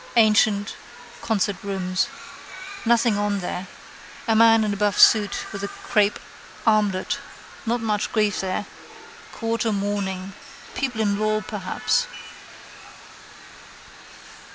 Antient concert rooms. Nothing on there. A man in a buff suit with a crape armlet. Not much grief there. Quarter mourning. People in law perhaps.